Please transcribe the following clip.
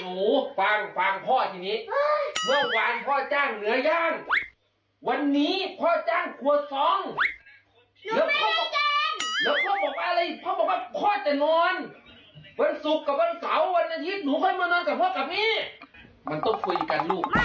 มันต้องคุยกันลูก